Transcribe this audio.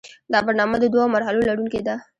دا برنامه د دوو مرحلو لرونکې ده.